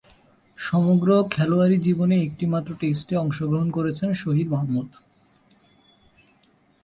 সমগ্র খেলোয়াড়ী জীবনে একটিমাত্র টেস্টে অংশগ্রহণ করেছেন শহীদ মাহমুদ।